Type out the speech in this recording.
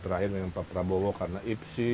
terakhir dengan pak prabowo karena ipsi